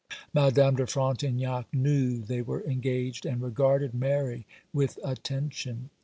Madame de Frontignac knew they were engaged, and regarded Mary with attention.